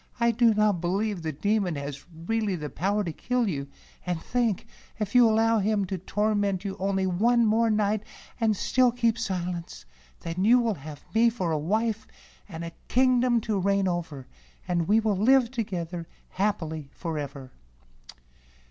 "I do not believe the Demon has really the power to kill you; and think, if you allow him to torment you only one more night and still keep silence, then you will have me for a wife, and a kingdom to reign over, and we will live together happily forever."